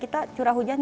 kita menemukan bahkan